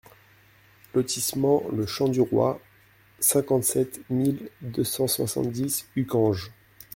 Lotissement le Champ du Roy, cinquante-sept mille deux cent soixante-dix Uckange